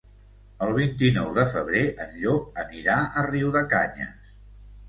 El vint-i-nou de febrer en Llop anirà a Riudecanyes.